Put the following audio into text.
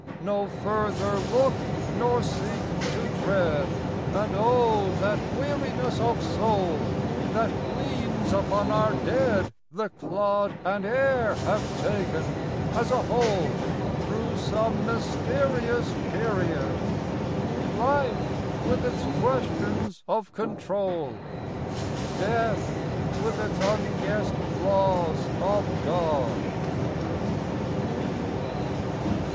No further look, nor seek to tread." And, oh! that weariness of soul That leans upon our dead, the clod And air have taken, as a whole, Through some mysterious period! Life! with its questions of control! Death! with its unguessed laws of God!